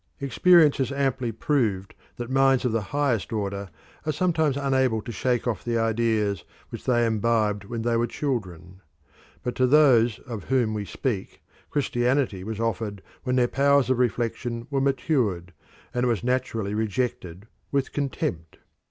Experience has amply proved that minds of the highest order are sometimes unable to shake off the ideas which they imbibed when they were children; but to those of whom we speak Christianity was offered when their powers of reflection were matured, and it was naturally rejected with contempt.